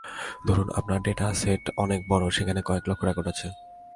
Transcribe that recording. ধরুন আপনার data set অনেক বড় সেখানে কয়েক লক্ষ রেকর্ড আছে।